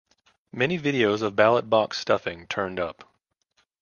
Many videos of ballot box stuffing turned up.